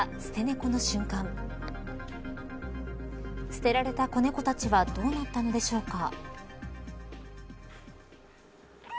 捨てられた子猫たちはどうなったのでしょうか。